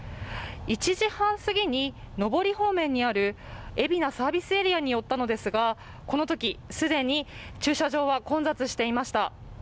１時半すぎに上り方面にある海老名サービスエリアに寄ったのですがこのとき既に駐車場は混雑していました。